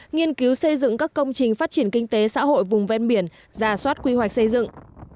nghiên cứu xây dựng các công trình phát triển kinh tế xã hội vùng ven biển giả soát quy hoạch xây dựng